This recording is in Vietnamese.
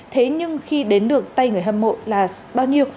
thế nhưng khi đến được tay người hâm mộ là bao nhiêu